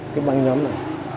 cái băng nhóm này